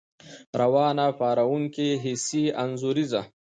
روانه، پارونکې، ، حسي، انځوريزه